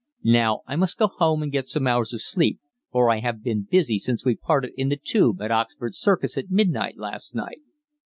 Now I must go home and get some hours of sleep, for I have been busy since we parted in the 'Tube' at Oxford Circus at midnight last night."